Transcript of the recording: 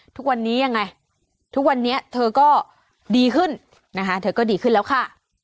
ทุกวันนี้ยังไงทุกวันนี้เธอก็ดีขึ้นนะคะเธอก็ดีขึ้นแล้วค่ะ